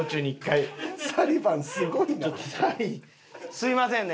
すみませんね